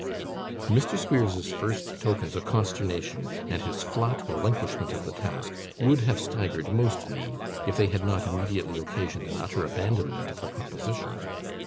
Mr. Squeers's first tokens of consternation, and his flat relinquishment of the task, would have staggered most men, if they had not immediately occasioned an utter abandonment of the proposition.